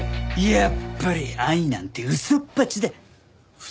やっぱり愛なんて嘘っぱちだ。